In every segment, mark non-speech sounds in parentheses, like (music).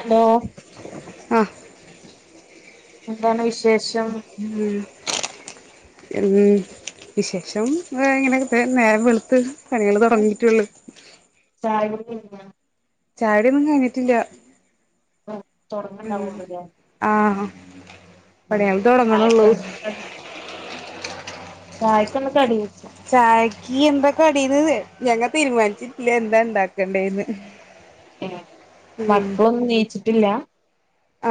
Hello അഹ് എന്താണ് വിശേഷം? ഉം ഉം വിശേഷം ഇങ്ങനെ നേരെ വെളുത്ത് പണികൾ തുടങ്ങിയിട്ടുള്ളു. ചായകുടികഴിഞ്ഞോ? ചായടിയൊന്നും കഴിഞ്ഞിട്ടില്ല. ഉം തൊടങ്ങ്ണ്ടാവൊള്ളൂല്ലേ ആഹ്, പണി ഉം യാൻ തുടങ്ങണേള്ളൂ ചായക്ക് ചായക്കെന്തകടി ചായക്ക് എന്താ കടീന്നു ഞങ്ങൾ തീരുമാനിച്ചിട്ടില്ല, എന്താണ്ടാക്കണ്ടേന്ന് എഹ് മക്കളൊന്നും നീച്ചിട്ടില്ല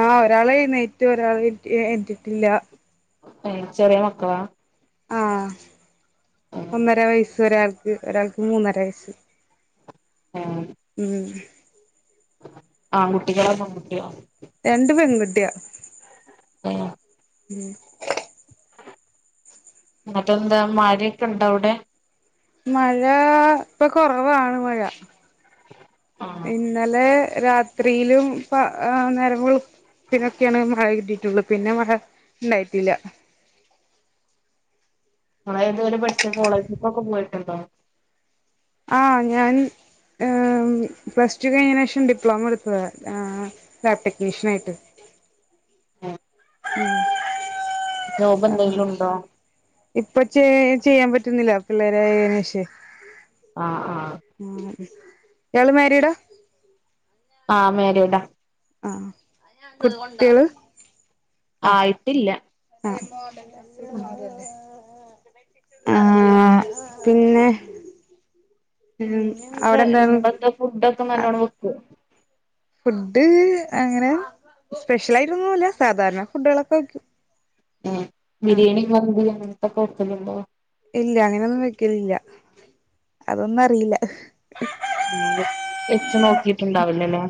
ആഹ്, ഒരാളെയ്ന്നേറ്റു ഒരാള് ണീറ്റില്ല അയ്ന് ചെറിയമക്കളാ ആഹ് ഏഹ് ഒന്നരവയസൊരാക്ക് ഒരാക്കുമൂന്നര വയസ്സ് ഏഹ് ഉം ആൺകുട്ടികളോ പെൺകുട്ടിയോ രണ്ട് പെൺകുട്ടിയാ ഏഹ് ഉം ങ്ങട്ടെന്താ മഴയൊക്കെണ്ടവിടെ.. മഴ, ഇപ്പകുറവാണു മഴ ആഹ് ഇന്നലെ രാത്രിയിലും, പ നേരം വെളു പിനൊക്കെയാണ് മഴകിട്ടിയിട്ടുള്ളു, പിന്നെ മഴ ണ്ടായിട്ടില്ല മ്മളിതുവരെ പഠിച്ച കോളേജിലൊക്കൊ പോയിട്ടുണ്ടോ ആഹ് ഞാന് ഏഹ് പ്ലസ്ടു കഴിഞ്ഞയ്നേഷം ഡിപ്ലോമയെടുത്തതാ ആഹ് ലാബ് ടെക്നീഷ്യനായിട്ട് അഹ് എന്തെങ്കിലും ഉണ്ടോ ഇപ്പ ചെയ്യാ, ചെയ്യാൻ പറ്റുന്നില്ല പിള്ളേരെ വച്ച് ആഹ്, ആഹ് ആഹ്, ഇയാളുമാരീടാ ആഹ്, മാരീടാ ആഹ് കുട്ട്യള് ആയിട്ടില്ല ആഹ് ഉം ആഹ്, പിന്നെ പിന്നെയെന്താ അവിടെ (unintelligible) ഫുഡൊക്കെ എന്താണ് നല്ലോണംവെക്കോ ഫുഡ് അങ്ങനെ സ്പെഷ്യലായിട്ടൊന്നുല്ല സാധാരണഫുഡുകളൊക്കെ വയ്ക്കും ഉം ബിരിയാണി, മന്തി അങ്ങൻത്തൊക്കെ വെക്കലുണ്ടോ ഇല്ല, അങ്ങനെയൊന്നും വെക്കലില്ല, അതൊന്നുറിയില്ല ഞാന് ‌വെച്ചുനോക്കീട്ടുണ്ടാവില്ലലേ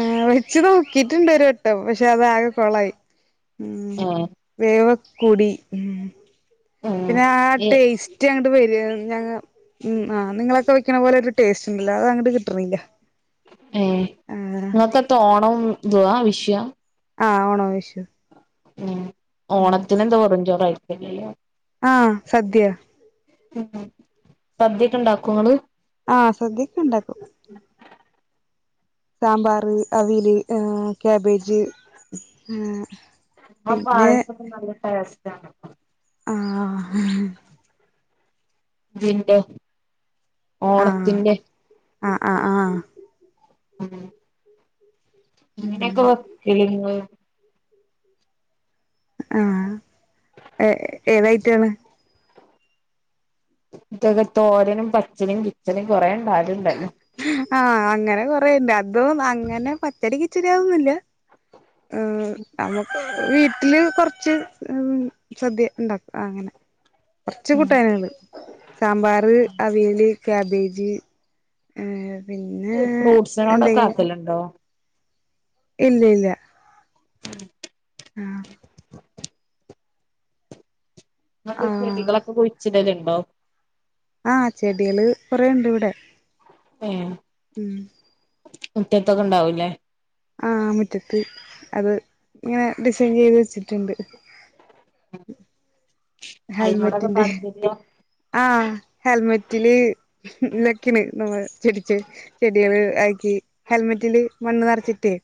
ആഹ്‌, വെച്ചുനോക്കിയിട്ടുണ്ടൊരു വട്ടം, പക്ഷെ അതാകെ കൊളായി ഉം. ഏഹ് വേവൊക് കൂടി, ഉം ഏഹ് പിന്നെയാ ഏ ടേസ്റ്റങ്ങട്ടു വരു (unintelligible) ഉം ആഹ്‌, നിങ്ങളഹ് ചോയ്ക്കണ പോലെയൊരു ടേസ്റ്റുണ്ടല്ലോ അതങ്ങട്ടു കിട്ടണില്ല ഏഹ് ആഹ് നിങ്ങക്കത്ത ഓണം, ന്തുവാ വിഷുവാ ആഹ് ഓണം, വിഷു ഉം.. ഉം ഓണത്തിനെന്തോരും ചോറാവയ്ക്കുക ആഹ് സദ്യ ഉം.. ഉം സദ്യയൊക്കെയുണ്ടാക്കുവോ നിങ്ങള് ആഹ് സദ്യയൊക്കെയുണ്ടാക്കും സാമ്പാറ്, അവിയല്, ആ കാബേജ്, ആഹ് അപ്പം പായസത്തിനു നല്ല ടേസ്റ്റാണ് ആഹ് ഇതിന്റെ, ഓണത്തിന്റെ ആഹ്.. ആഹ്.. ആഹ ഉം എങ്ങനെ വയ്ക്കല് നിങ്ങള് ആഹ് ഏ ഏത് ഐറ്റം ആണ് ഇതൊക്കെ തോരനും പച്ചനിയും കിച്ചനും കൊറെേ ഉണ്ടാവാലുംണ്ടല്ലോ ആഹ അങ്ങനെ കൊറെുണ്ട് അതും അങ്ങനെ പച്ചടി കിച്ചടി അങ്ങനൊന്നുമില്ല ഉ നമ്മുക്ക് വീട്ടില് കൊറച്ച് സദ്യ ഉണ്ടാക്കും അങ്ങനെ കുറച്ച് കൂട്ടാനകള് സാമ്പാർ അവിയല് ക്യാബേജ് പിന്നെ എന്തെങ്കിലും ഉണ്ടോ (inaudible) ഇല്ല ഇല്ല ആഹ് ആഹ് ചെടികളൊക്കെ കുഴിച്ചിടൽ ഉണ്ടോ ആഹ് ചെടികള് കൊറെുണ്ട് ഇവിടെ എ ഉം മുറ്റത്തൊക്കെ ഉണ്ടാവൂല്ലേ ആഹ് മുറ്റത്ത് അത് ഇങ്ങനെ ഡിസൈൻ ചെയ്ത് വെച്ചിട്ടുണ്ട് അയിനോടൊക്കെ ഹെൽമെറ്റിന്റെ (inaudible) ആഹ് ഹെൽമെറ്റില് ലക്കിണ് നമ്മള് ചെടിച്ച് ചെടികള് ആക്കി ഹെൽമെറ്റില് മണ്ണ് നിറച്ചിട്ടേ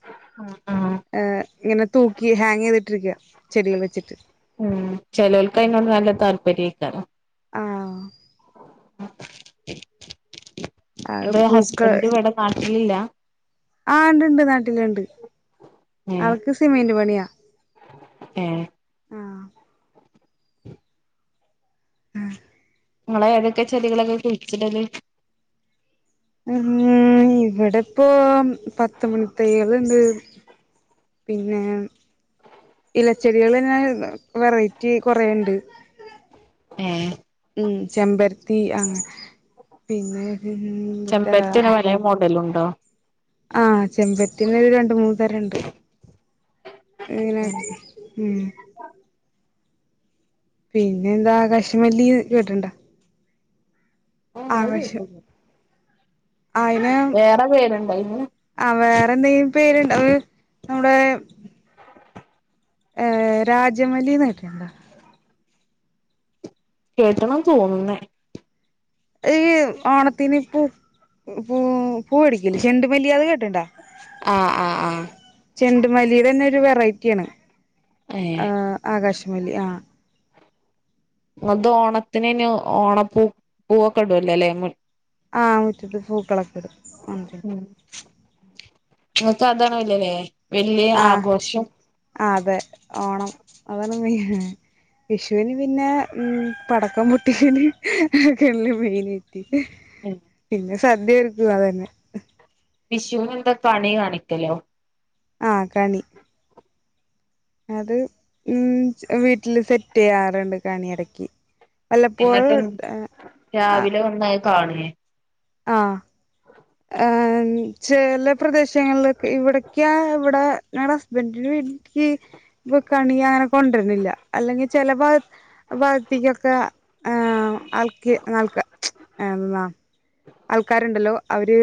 ആഹ് ആഹ് ആഹ് ഇങ്ങനെ തൂക്കി ഹാങ് ചെയ്തിട്ടിരിക്കുക ചെടികൾ വെച്ചിട്ട് ഉം ചിലർക്ക് അതിനോട് നല്ല താല്പര്യംക്കാര ആഹ് (inaudible) അത് ഇത് പൂക്കൾ ഹസ്ബൻഡ് ഇവിടെ നാട്ടിലില്ല ആ ഉണ്ടണ്ട് നാട്ടിലുണ്ട് ആൾക്ക് സിമെന്റ് പണിയാ ഏ ആഹ് ആഹ് നിങ്ങളെ ഏതൊക്കെ ചെടികളൊക്കെ കുഴിച്ചിടലും ഉം ഇവിടെ ഇപ്പൊ പത്ത് മണി തയ്യളണ്ട് പിന്നെ ഇലച്ചെടികൾ തന്നെ വെറൈറ്റി കുറേയുണ്ട് എ ഉ ചെമ്പരത്തി പിന്നെ അങ്ങനെ എന്തൂട്ടാ മോഡൽ ഉണ്ടോ ആഹ് ചെമ്പരത്തിന്റെ തന്നെ രണ്ടുമൂന്നുതറങ്ങളുണ്ട് ഇങ്ങനെ പിന്നെ എന്താ കശുമല്ലി കേട്ടണ്ട ഏഹ് അത് ആവശ്യം കേട്ടില്ല അയിന് വേറെ പേരുണ്ടോ അയിന് ആ വേറെന്തെങ്കിലും പേരുണ്ട ഒരു നമ്മുടെ രാജമല്ലിന്നായിട്ടണ്ടോ കേട്ടണം തോന്നുന്നേ ഈ ഓണത്തിന് പൂ പൂ പൂ മേടിക്കിലേ ചെണ്ടുമല്ലി അത് കേട്ടിണ്ടാ ആഹ് ആഹ് ആഹ് ചെണ്ടുമല്ലി തന്നെ ഒരു വെറൈറ്റി ആണ് ആ ഏഹ് ആകാശമലി ആഹ് അത് ഓണത്തിന് ന്ന് ഓണപ്പൂ പൂവൊക്കെഇടൂല്ലോ അല്ലെ ആഹ് മുറ്റത്ത് പൂക്കളക്കെ ഇടും ആഹ് ഉം നിങ്ങക്ക് അതാണുല്ലല്ലേ വലിയ ആഘോഷം ആഹ് അതെ ഓണം അതാണ് മെയിൻ വിഷുവിന് പിന്നെ ഉം പടക്കം പൊട്ടിക്കല് അതൊക്കെയുള്ള് മെയിന് ഉം പിന്നെ സദ്യ ഒരുക്കും അതന്നെ വിഷുന് എന്താ കണി കാണിക്കലോ ആഹ് കണി അത് ഉം വീട്ടില് സെറ്റെയ്യാറുണ്ട് കണി എടക്ക് വല്ലപ്പോഴും എന്നിട്ട് എട് ആഹ് കാണി ആഹ് (inaudible) ചെല പ്രദേശങ്ങളിലൊക്കെ ഇവടെക്യാ ഇവടെ ഞങ്ങടെ ഹസ്ബന്റിന്റെ വീട്ടിക്ക് ഇപ്പൊ കണി അങ്ങനെ കൊണ്ടര്നില്ല അല്ലെങ്കി ചെല ഭാഗത് ഭാഗ്ത്തിക്കൊക്കെ അള്ക്കി അള്ക്ക ‌ എന്നാ ആൾക്കാരുണ്ടല്ലോ അവര്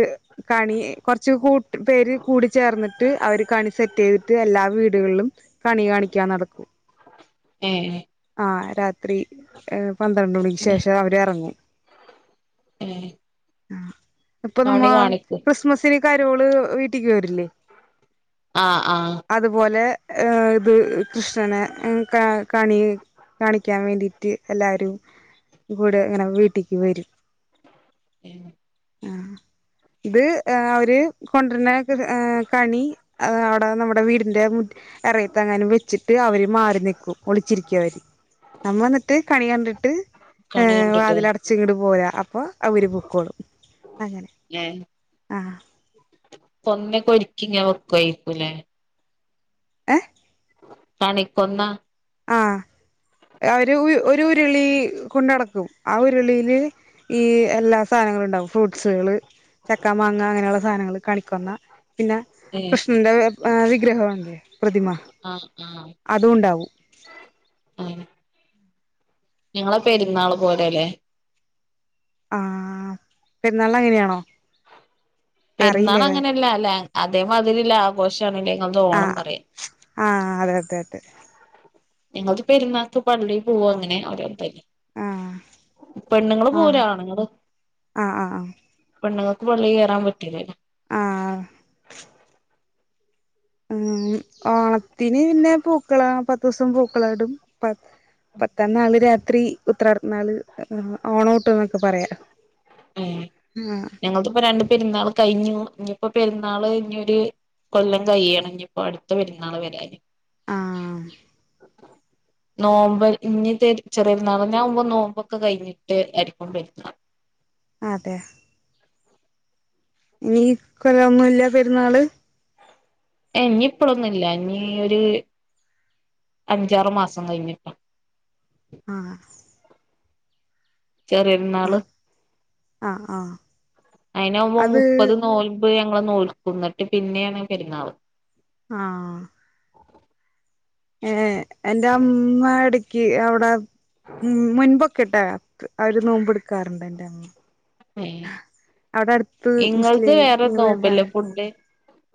കണി കൊർച്ച് കൂട്ട് പേര് കൂടി ചേർന്നിട്ട് അവര് കണി സെറ്റ്ചെയ്തിട്ട് എല്ലാ വീടുകളിലും കണി കാണിക്കാൻ നടക്കും ഏഹ് ആഹ് രാത്രി പന്ത്രണ്ട് മണിക്ക് ശേഷം അവര് എറങ്ങും ഉം അപ്പൊ നമ്മ ക്രിസ്മസിന് കരോള് വീട്ട്ക്ക് വരില്ലേ ആഹ് ആഹ് അത്പോലെ ത് കൃഷ്ണനെ ഉം ക കണി കാണിക്കാൻ വേണ്ടിട്ട് എല്ലാരും കൂടെ ഇങ്ങനെ വീട്ടിക്ക് വെരും ഉം ആഹ് (inaudible) ഇത് അവര് കൊണ്ട് വരുന്നെക്ക കണി അവിടെ നമ്മുടെ വീടിന്റെ മുറ്റ് എറയത്തെങ്ങാനും വെച്ചി ട്ട് അവര് മാറി നിക്കും ഒളിച്ചിരിക്കും അവര് നമ്മൾ എന്നിട്ട് കണി കണ്ടിട്ട് കണികണ്ടിട്ടെ ച്ചിങ്ങ്ട് പോരാ അപ്പോ അവര് പൊക്കോളും അങ്ങനെ ഏഹ് ആഹ് കൊന്നേക്ക ഒരിക്കിങ്ങനെ വെക്കുവായിരിക്കൂല്ലേ ഏഹ് കണിക്കൊന്ന (inaudible) ആഹ് ഒര് ഒരു ഉര്ളി കൊണ്ടടക്കും ആഹ് ഉര്ളിയില് ഈ എല്ലാ സാനങ്ങളും ഉണ്ടാവും ഫ്രൂട്ട്സുകള് ചക്കാ, മാങ്ങ അങ്ങനെയുള്ള സാനങ്ങൾ കണിക്കൊന്ന പിന്നെ ഏഹ് കൃഷ്ണന്റെ എഹ് വിഗ്രഹോല്ലേ പ്രതിമ അതുംണ്ടാവും ഉം ഞങ്ങളെ പെരുന്നാള് പോലെല്ലെ ആഹ് പെരുന്നാൾ അങ്ങനെയാണോ? പെരുന്നാള അറിയില്ലേ അങ്ങനെ അല്ല അതേ മാതിരില്ല ആഘോഷാണ്ലെ ഇങ്ങൾ തെ ഓണംന്ന് പറയാ ആഹ് അതെ അതെ അതെ ഞങ്ങൾത് പെരുന്നാക്ക് പള്ളി പോവാ അങ്ങനെ അവരെതന്നെ ആ പെണ്ണുങ്ങള് ആ പോവൂല ആണ്ങ്ങള് ആ ആ പെണ്ണ്ങ്ങൾക്ക് പള്ളി കേറാൻ പറ്റുല ല്ലോ ആഹ് ഉം ഓണത്തിന് പിന്നെ പൂക്കള പത്തുസം പൂക്കള ഇടും പത്താം ന്നാള് രാത്രി ഉത്രടംന്നാള് ഓണ ഔട്ട് എന്നൊക്കെ പറയാ ഉം ഞങ്ങള്ത് ഇപ്പോ രണ്ട് പെരുന്നാള് കഴിഞ്ഞു ഇഞ്ഞിപ്പോ പെരുന്നാള് ഇഞ്ഞി ഒര് കൊല്ലം കൈയ്യണം ഇഞ്ഞിപ്പോ അട്ത്ത പെരുന്നാള് വരാന് ആഹ് ആഹ് ന്നോമ്പ് ഇനിതെര് ചെറിയര്ന്നാള്ള ന്നാവുംമ്പോ ന്നോമ്പൊക്കെ കഴിഞ്ഞിട്ട് അയിര്ക്കും പെരുന്നാള് അതെ ഇനി ഇക്കൊല്ലൊന്നും ഇല്ല പെരുന്നാള് ഏ ഇനി ഇപ്പളൊന്നും ഇല്ല ഇനി ഒരു അഞ്ചാറ് മാസം കഴിഞ്ഞ്ട്ടാ ആഹ് ചെറി ആഹ് ആഹ് ആഹ് അയിനാവുമ്പം അത് മുപ്പത് നോൽമ്പ് ഞങ്ങൾ നോൽക്കും എന്നിട്ട് പിന്നെയാണ് പെരുന്നാള് ആഹ് ഏഹ് എന്റെ അമ്മ എടക്ക് അവിടെ മുൻപൊ ക്കെട്ട അവർ നോമ്പ്ടുക്കാറുണ്ട് എൻ്റെ അമ്മ ഏഹ് അവിടെ അടുത്ത് ഇങ്ങൾത് വേറെ മുസ്ലിങ്ങള് നോമ്പല്ലേ ഫാമി ഫുഡ്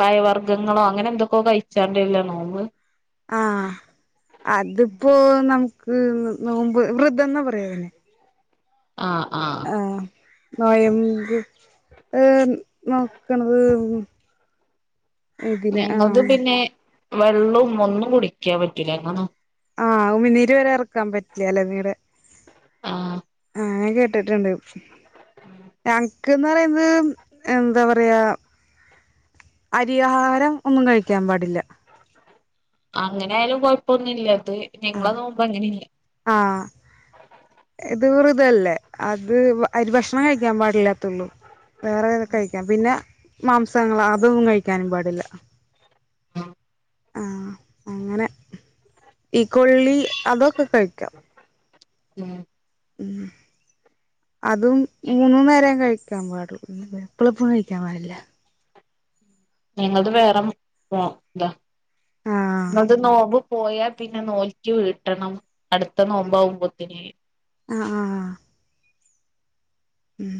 പയവർഗ്ഗങ്ങളോ അങ്ങനെ എന്തൊക്കോ കഴിച്ചാണ്ട് അല്ലേ നോമ്പ് ആഹ് അതിപ്പോ നമുക്ക് നോമ്പോ വ്രതം എന്ന് പറയും അതിന് ആഹ് ആഹ് ആഹ് നോയമ്പ് ഏഹ് നോക്കണത് ഇതിന് ഞങ്ങൾത് ആഹ് പിന്നെ വെള്ളവും ഒന്നും കുടിക്കാ പറ്റൂലാ ഞങ്ങ ആഹ് ഉമിനിരുവരെ ഇറക്കാൻ പറ്റില്ല അല്ലേ നിങ്ങടെ ആഹ് ഞാനുംകേട്ടിട്ടുണ്ട് ഞങ്ങൾക്ക്ന്ന് പറയുന്നത് എന്താ പറയാ അരി ആഹാരം ഒന്നും കഴിക്കാൻ പാടില്ല അങ്ങനെ ആയാലും കൊഴപ്പൊന്നുല്ല അത് നിങ്ങളെ ആഹ് നോമ്പോ അങ്ങനെല്ല ആഹ് ഇത് വ്രതല്ലേ അത് അരി ഭക്ഷ ഭക്ഷണം കഴിക്കാൻ പാടില്ലാത്തുള്ളു വേറെ ഇതൊക്കെ കഴിക്കാം പിന്നെ മാംസങ്ങൾ അതൊന്നും കഴിക്കാനും പാടില്ല ആഹ് അങ്ങനെ ഈ കൊള്ളി അതൊക്കെ കഴിക്കാം ഉം ഉം അതും മൂന്നു നേരം കഴിക്കാൻ പാടു എപ്പളപ്പളും കഴിക്കാൻ പാടില്ല ഞങ്ങത് വേറെ മോ ഇതാ ആഹ് ഞങ്ങൾത്‌ നോമ്പു പോയാ പിന്നെ നോറ്റ് വീട്ടണം അടുത്ത നോമ്പാവുമ്പത്തിന് ആഹ് ആഹ് ഉം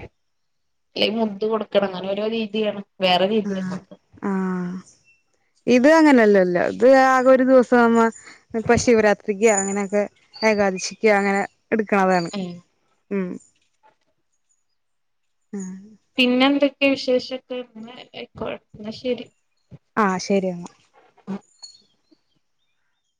അല്ലെ മുദ് കൊടുക്കണം അങ്ങനെ ഓരോ രീതിയാണ് വേറെ രീതി ആഹ് ഞങ്ങൾത് ആഹ് ഇത് അങ്ങനെയല്ലല്ല അത് ആകെ ഒരു ദിവസം നമ്മ ഇപ്പൊ ശിവരാത്രിക്ക് അങ്ങനെയൊക്കെ ഏകാദശിക്ക അങ്ങനെ ഇട്ക്കണതാണ് ഉം ഉം പിന്നെന്തൊക്കെയെ വിശേഷൊക്കെ ന്നാ ആയിക്കോട്ടെ ന്നാ ശരി ആഹ് ശരി എന്നാ